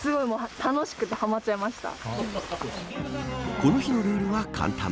この日のルールは簡単。